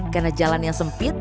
karena jalan yang sempurna